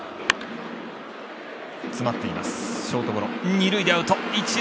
二塁でアウト。